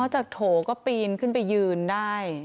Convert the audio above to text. จากโถก็ปีนขึ้นไปยืนได้